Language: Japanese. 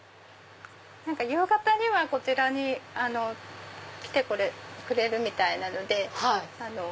夕方にはこちらに来てくれるみたいなので。